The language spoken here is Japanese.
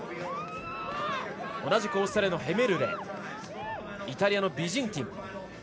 同じくオーストリアのヘメルレイタリアのビジンティン。